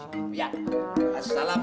aduh dia ketar terus